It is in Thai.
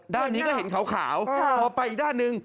ด้านนี้ก็เห็นขาวพอไปอีกด้านหนึ่ง